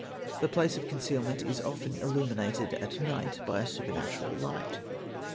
The place of concealment is often illuminated at night by a supernatural light.